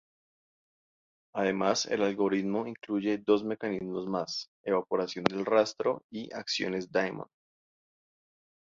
Además el algoritmo incluye dos mecanismos más, evaporación del rastro y acciones daemon.